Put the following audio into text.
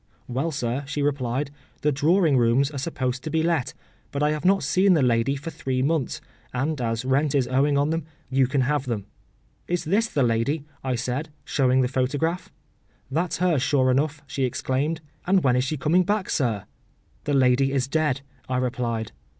“Well, sir,” she replied, “the drawing rooms are supposed to be let; but I have not seen the lady for three months, and as rent is owing on them, you can have them.”—“Is this the lady?” I said, showing the photograph. “That’s her, sure enough,” she exclaimed; “and when is she coming back, sir?”—“The lady is dead,” I replied.